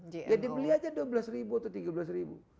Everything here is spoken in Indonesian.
jadi beli aja dua belas ribu atau tiga belas ribu